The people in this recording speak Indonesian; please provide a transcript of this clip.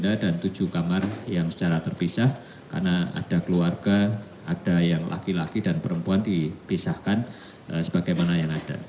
ada tujuh kamar yang secara terpisah karena ada keluarga ada yang laki laki dan perempuan dipisahkan sebagaimana yang ada